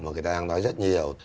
mà người ta đang nói rất nhiều